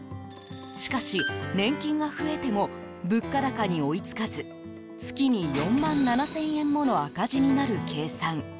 しかし、年金が増えても物価高に追い付かず月に４万７０００円もの赤字になる計算。